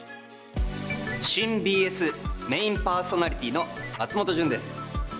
新ＢＳメインパーソナリティーの松本潤です。